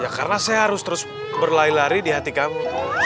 ya karena saya harus terus berlari lari di hati kami